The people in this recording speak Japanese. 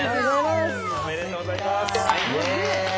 ありがとうございます。